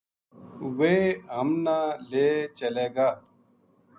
ویہ ہم نا لے چلے گا